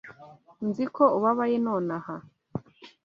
Nzi ko ubabaye nonaha.